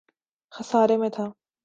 خسارے میں تھا